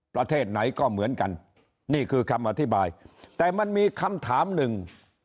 ประเทศไหนก็เหมือนกันนี่คือคำอธิบายแต่มันมีคำถามหนึ่ง